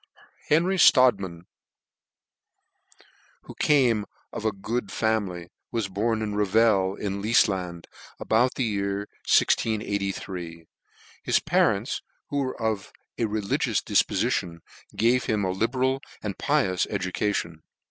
HENRY STRODTMAN, who came of x good family, was born at Revel, in Lifland, about the year 1683. His parents, who were of a religious difpofition, gave him a libeial and pi ous education.